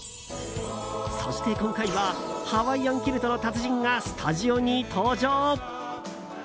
そして、今回はハワイアンキルトの達人がスタジオに登場。